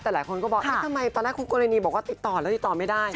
แต่หลายคนก็บอกเอ๊ะทำไมตอนแรกคู่กรณีบอกว่าติดต่อแล้วติดต่อไม่ได้